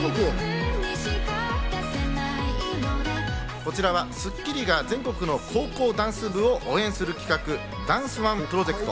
こちらは『スッキリ』が全国の高校ダンス部を応援する企画、ダンスＯＮＥプロジェクト。